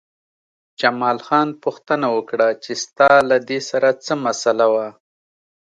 جمال خان پوښتنه وکړه چې ستا له دې سره څه مسئله وه